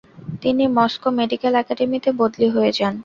তিনি Moscow medical একাডেমিতে বদলি হয়ে যান।